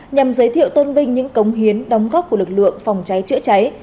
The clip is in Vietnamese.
nhằm giới thiệu tôn vinh những cống hiến đóng góp của lực lượng phòng cháy chữa cháy